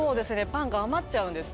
パンが余っちゃうんです。